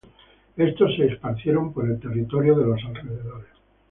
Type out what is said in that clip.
Estos se esparcieron por el territorio de los alrededores.